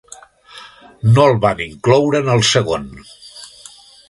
No el van incloure en el segon.